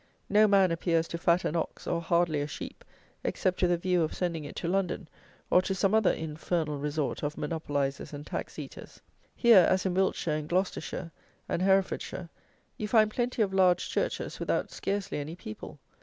No man appears to fat an ox, or hardly a sheep, except with a view of sending it to London, or to some other infernal resort of monopolizers and tax eaters. Here, as in Wiltshire and Gloucestershire and Herefordshire, you find plenty of large churches without scarcely any people.